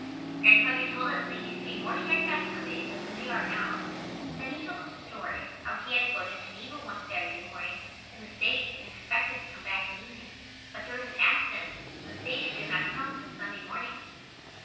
Grandfather told us they used to be more strict about Sunday than they are now. Then he told us a story, how he had to go to Geneva one Saturday morning in the stage and expected to come back in the evening, but there was an accident, so the stage did not come till Sunday morning.